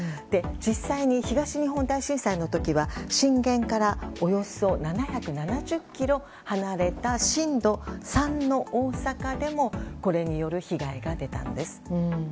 実際に東日本大震災の時は震源からおよそ７７０ｋｍ離れた震度３の大阪でもこれによる被害が出たんです。